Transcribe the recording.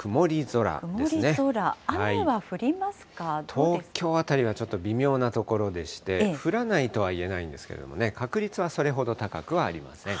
東京辺りは微妙なところでして、降らないとは言えないんですけれどもね、確率はそれほど高くはありません。